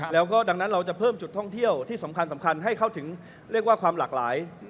แล้วก็ดังนั้นเราจะเพิ่มจุดท่องเที่ยวที่สำคัญให้เข้าถึงเรียกว่าความหลากหลาย